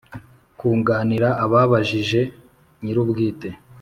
kunganira ababajije nyir’ubwite